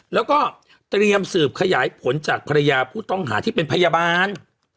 แล้วก็เตรียมสืบขยายผลจากภรรยาผู้ต้องหาที่เป็นพยาบาล